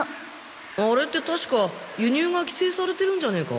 あれって確か輸入が規制されてるんじゃねぇか？